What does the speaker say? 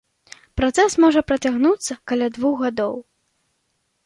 Працэс можа працягнуцца каля двух гадоў.